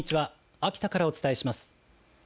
秋田からお伝えします。